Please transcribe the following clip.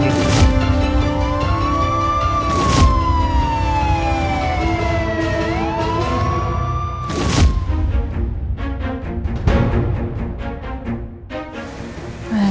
mereka ada di sini tanda